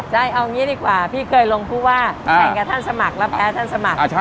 ใช่เอางี้ดีกว่าพี่เคยลงผู้ว่าแข่งกับท่านสมัครแล้วแพ้ท่านสมัคร